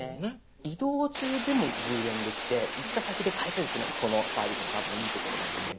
移動中でも充電できて行った先で返せるっていうのがこのサービスの多分いいところだと思います。